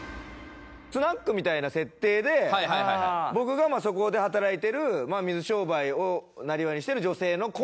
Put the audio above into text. スナックみたいな設定で僕がそこで働いてる水商売をなりわいにしてる女性のコントで。